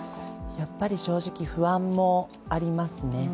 やっぱり正直、不安もありますね。